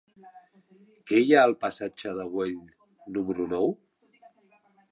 Què hi ha al passatge de Güell número nou?